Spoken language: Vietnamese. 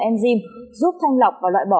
enzyme giúp thanh lọc và loại bỏ